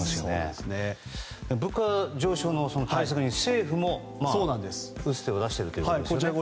でも物価上昇の対策として政府も打つ手を出しているということですね。